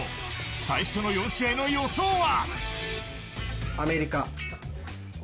最初の４試合の予想は。